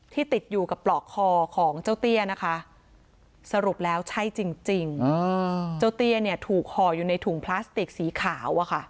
ติดอยู่กับปลอกคอของเจ้าเตี้ยนะคะสรุปแล้วใช่จริงเจ้าเตี้ยเนี่ยถูกห่ออยู่ในถุงพลาสติกสีขาว